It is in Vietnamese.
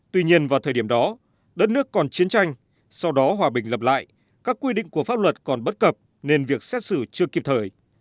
tuy nhiên vào thời điểm đó đất nước còn chiến tranh sau đó hòa bình lập lại các quy định của pháp luật còn bất cập nên việc xét xử chưa kịp thời